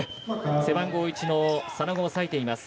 背番号１の佐野が抑えました。